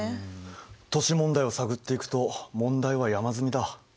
都市問題を探っていくと問題は山積みだ。